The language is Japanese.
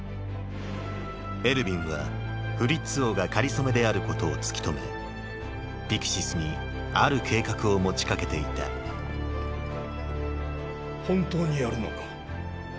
エルヴィンはフリッツ王がかりそめであることを突き止めピクシスにある計画を持ちかけていた本当にやるのか？